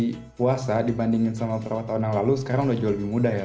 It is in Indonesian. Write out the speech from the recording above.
di puasa dibandingkan dengan beberapa tahun yang lalu sekarang sudah jauh lebih mudah ya